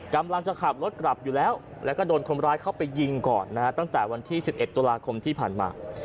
กำลังจะขับรถกลับอยู่แล้วแล้วก็โดนคนร้ายเข้าไปยิงก่อนนะฮะตั้งแต่วันที่๑๑ตุลาคมที่ผ่านมา